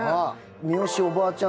三吉おばあちゃん